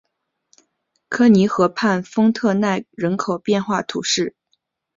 科尼河畔丰特奈人口变化图示